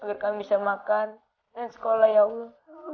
agar kami bisa makan dan sekolah ya allah